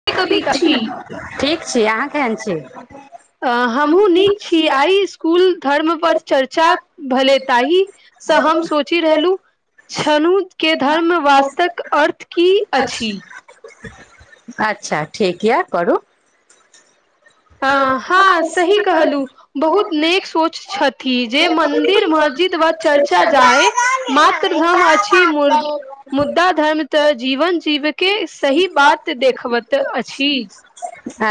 [unintelligible] ठीक छी आहां कै अ हम्हूँ नीक छी, आइ स्कुल धर्म पर चर्चा भेलै ताहि स हम सोचि रहलू छनु के धर्म वास्तक अर्थ की अछि। अच्छा ठीक यै करू। हां-हां सही कहलू बहुत नीक सोच छथि जे मन्दिर, महजिद व चर्चा जाए मात्र धर्म अछि मुर मुद्दा धर्म तऽ जीवन जीवै के सही बात देखबत अछि।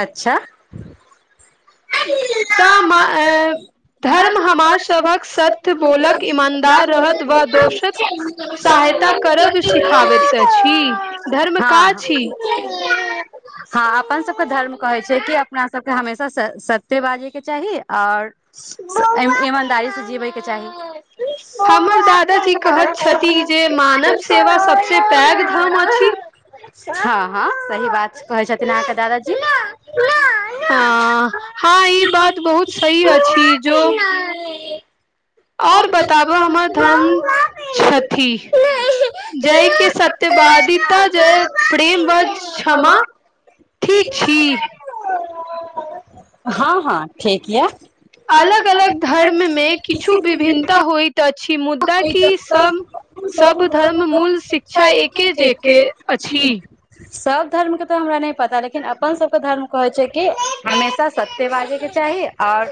अच्छा। तऽ म ए धर्म हमार सभक सत्य बोलक ईमानदार रहत व दोषक सहायता करब सिखाबैत अछि, धर्म का छी? हां अपन सबके धर्म कहै छै कि अपना सबके हमेशा से स सत्य बाजै के चाही और एमे ईमानदारी से जीबै के चाही। हमर दादाजी कहैत छथि जे मानव सेवा सबसे पैघ धर्म अछि। हां-हां सही बात छै कहै छथिन अहाँ के दादाजी हां-हां ई बात बहुत सही अछि जो और बताबा हमर धर्म छथि। जय के सत्यवादिता जय प्रेम ब क्षमा हां-हां ठीक यै, अलग-अलग धर्म में ई उ विभिन्नता होएत अछि मुद्दा की सम सब धर्म मूल शिक्षा एके जेके अछि। सब धर्म के तै हमरा नै पता लेकिन अपन सबके धर्म कहै छै कि हमेशा से सत्य बाजय के चाही और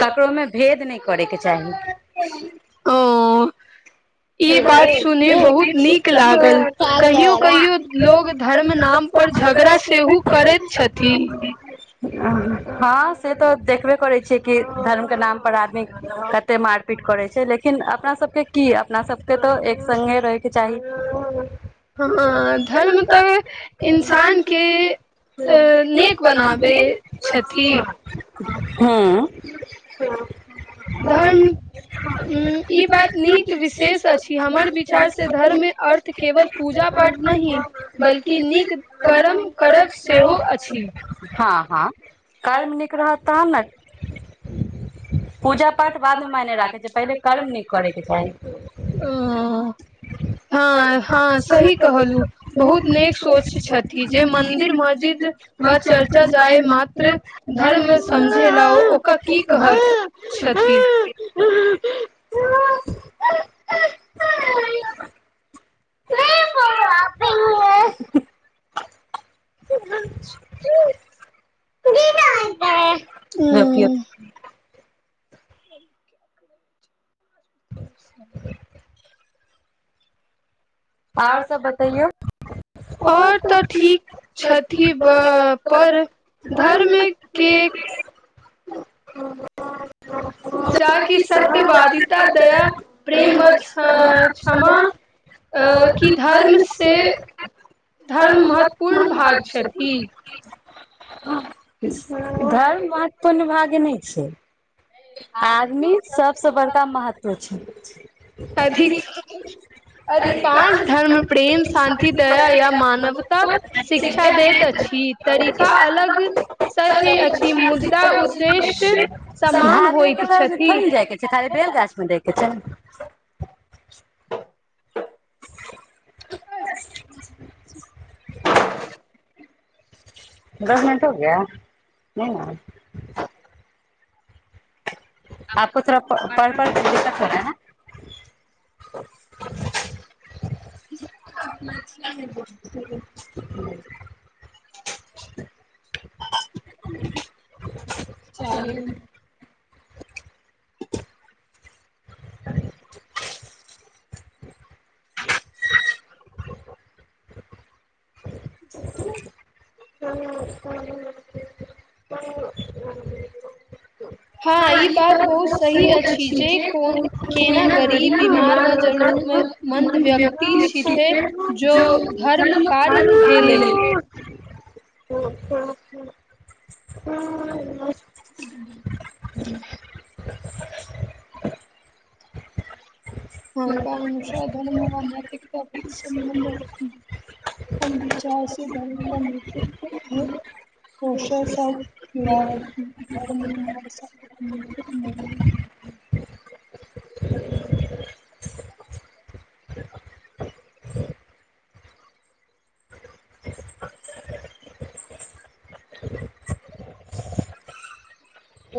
ककरो मे भेद नै करै के चाही। ह ई बात सुनी बहुत नीक लागल कहियो-कहियो लोग धर्म नाम पर झगड़ा सेहो करैत छथि। ह। से तो देखबे करै छियै कि धर्म के नाम पर आदमी कते मारपीट करै छैय लेकिन अपना सबके की अपना सबके त एक सङ्गे रहैके चाही। त इसानके [unintelligible] हुँ। इ बात नीक विशेष अछि हमर विचार से धर्म अर्थ केवल पूजा पाठ नहि बल्कि नीक करम करब सेहो अछि। हँ कर्म ठीक रहत तहन ने पूजा पाठ बादमे मायने राखय छैय पहिले करम नीक करैके चाही। [inaudible] [inaudible] छथि। अच [unintelligible] आर सब बतैयौ। [unintelligible] [inaudible] जाकि सत्यवादिता, दया, प्रेम व क्षमा अ धर्म से धर्म महत्वपूर्ण भाग छथि। धर्म महत्वपूर्ण भाग्य नै छैय। आदमी सभ स बड़का महत्व छैय। [inaudible] [inaudible] त धातरीके गाछमे थोड़े जायके छैय खाली बेल गाछमे दए के छैय। अ [unintelligible] [unintelligible] [unintelligible] [inaudible] हँ इ बात बहुत सही अछि जे जेना [unintelligible] बीमार भ जा [inaudible] ह हूँ हँ कारण स धन [unintelligible] तभी सम्बन्ध अछि। [unintelligible] [inaudible] ह [inaudible] [unintelligible] [inaudible]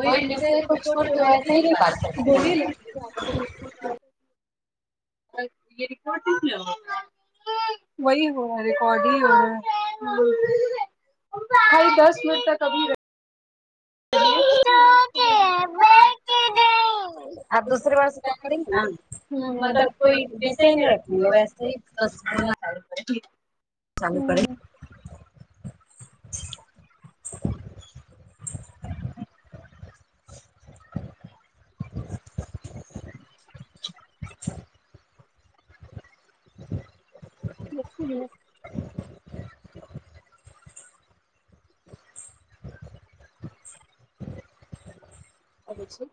कोहि विषे कछ छूके वऐसे ही न पाल सक [unintelligible] आ रिपर्ट [unintelligible] वह हो रहा है रिकॉर्ड ही हो रह ह [unintelligible] खाली दस मिनट तक अभी रहे ह [unintelligible] आब दूसरे बर से क्य करेंगे ने [unintelligible] मतलब कोइ विषे नहि रखेंगे वैसे ही बस [unintelligible] चालू करे। ह [inaudible] बस दिन [unintelligible] [inaudible] करै छी।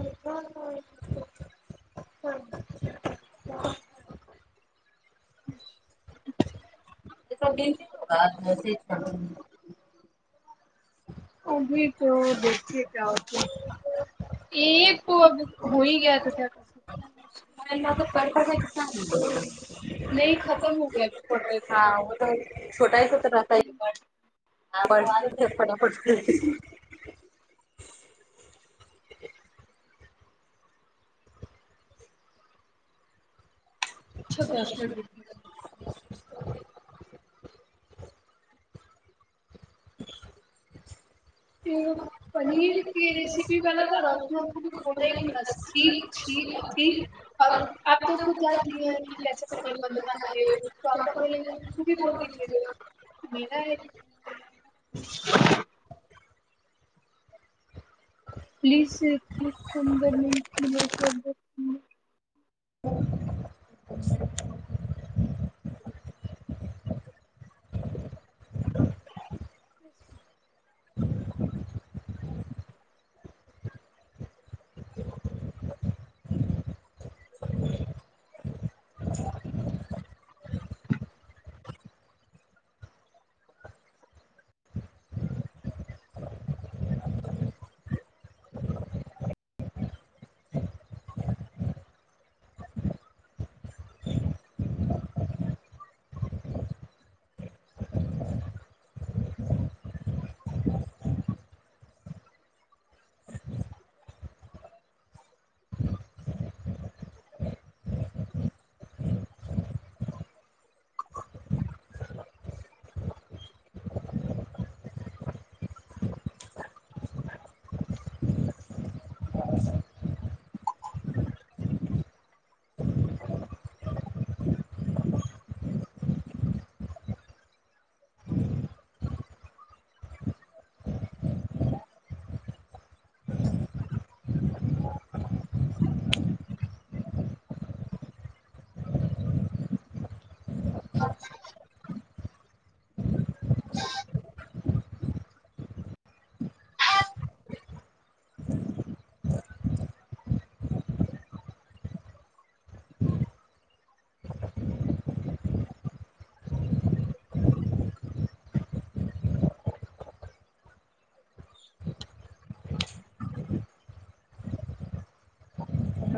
[inaudible] [inaudible] बात [unintelligible] ओ भी त [unintelligible] एक को [unintelligible] तऽ पड़ ख नहि खत [unintelligible] हँ ओ तऽ छोटा ह तऽ रहता ह [unintelligible] ब अप ने अपन [unintelligible] अच्छा दस मिनट देखती। ह [inaudible] फसक अ [unintelligible] और आप तो खुद जानती है कि कैसे खनीर बन [unintelligible] [inaudible] ह्म [inaudible] प्ीज परट [unintelligible] [inaudible] अच [inaudible] [inaudible]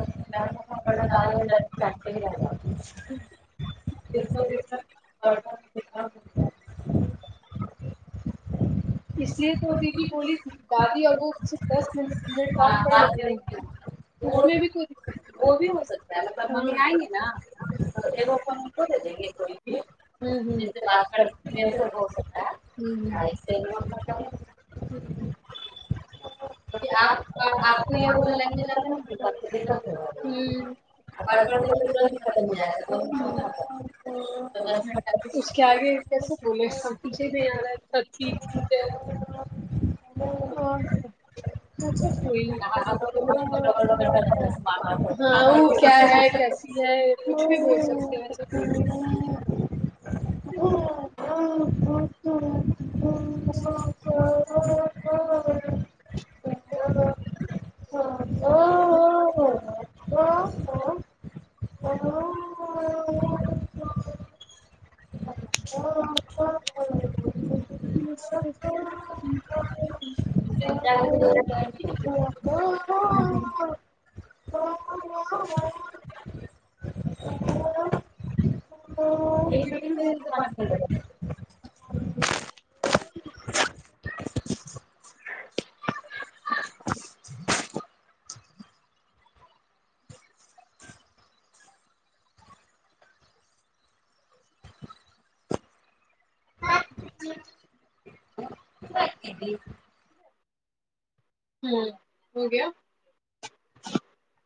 [inaudible] [unintelligible] [inaudible] इसलि तो दीदी बोली की दादी आ वो दस मिनट [unintelligible] ओमे भी कोइ दिक्कत ओ भी हो सक [unintelligible] ी र ह [unintelligible] बात कर हो सक है [unintelligible] ह्म आत [unintelligible] हू [inaudible] पक य लैंग्वेज आता [unintelligible] पैन परैत हेतै तुरन्त खत्म जाए हूँ। इस के आगे कैसे बोले समझे नै आ रहा है सब ठीक- ते- अहूँ सेहे के छी- जा हे कुछ भी बोल सकते है ऐसा कुछ- [unintelligible] [unintelligible] [unintelligible] [unintelligible] [inaudible] पहिले हम छत पर रहैत रहि [inaudible] [unintelligible] [inaudible] विक्की [unintelligible] हूँ हो गया।